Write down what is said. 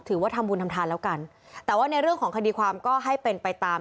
ถือว่าทำบุญทำทานแล้วกันแต่ว่าในเรื่องของคดีความก็ให้เป็นไปตาม